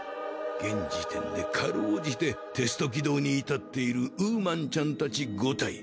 現時点で辛うじてテスト起動に至っているウーマンちゃん達５体。